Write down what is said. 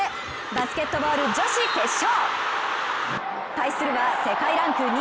バスケットボール女子決勝。